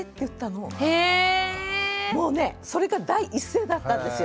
もうねそれが第一声だったんですよ。